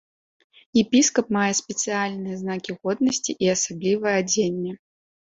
Епіскап мае спецыяльныя знакі годнасці і асаблівае адзенне.